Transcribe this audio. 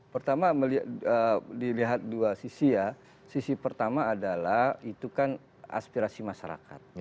pertama dilihat dua sisi ya sisi pertama adalah itu kan aspirasi masyarakat